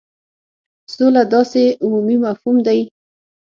سوله داسي عمومي مفهوم دی.